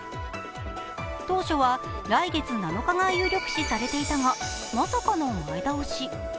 当初は来月７日が有力視されていたが、まさかの前倒し。